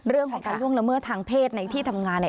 เรื่องของการล่วงละเมิดทางเพศในที่ทำงานเนี่ย